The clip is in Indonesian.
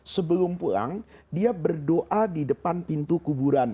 sebelum pulang dia berdoa di depan pintu kuburan